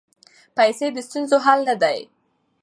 پیسې د ستونزو حل نه دی.